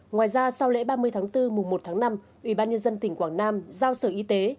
ngoài ra sau lễ ba mươi tháng bốn mùng một tháng năm ubnd tỉnh quảng nam giao sở y tế